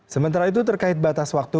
sementara itu terkait batas waktu